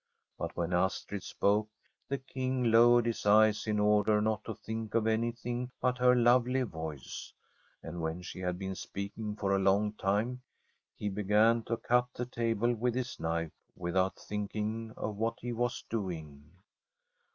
But when Astrid spoke the King lowered his eyes in order not to think of anything but her lovely voice, and when she had been speaking for a long time he be^n to cut the table with his knife without thinking of what he was doing.